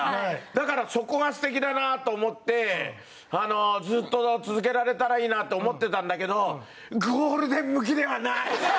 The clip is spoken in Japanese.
だからそこが素敵だなと思ってずっと続けられたらいいなって思ってたんだけどゴールデン向きではない！